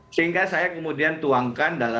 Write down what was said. sehingga saya kemudian tuangkan